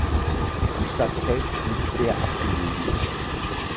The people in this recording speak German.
Die Stadt selbst liegt sehr abgelegen.